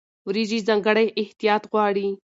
وریجې ځانګړی احتیاط غواړي.